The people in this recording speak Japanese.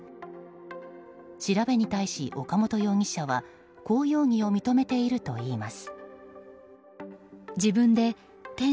調べに対し岡本容疑者はこう容疑を認めているといいます。